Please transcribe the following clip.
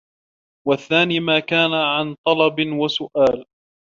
وَالثَّانِي مَا كَانَ عَنْ طَلَبٍ وَسُؤَالٍ